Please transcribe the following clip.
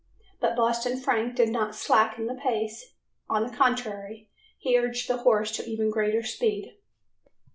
But Boston Frank did not slacken the pace, on the contrary he urged the horse to ever greater speed.